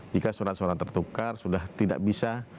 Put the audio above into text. jika surat surat tertukar sudah tidak bisa